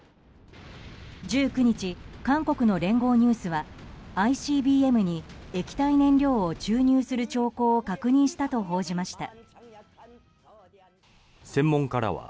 １９日、韓国の聯合ニュースはＩＣＢＭに液体燃料を注入する兆候を確認したと報じました。